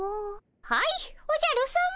はいおじゃるさま。